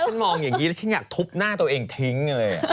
ฉันมองอย่างนี้แล้วฉันอยากทุบหน้าตัวเองทิ้งเลย